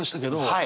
はい。